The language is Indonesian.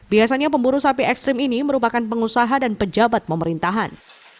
biasanya pemburu sapi ekstrim ini merupakan pengusaha dan pejabat pemerintahan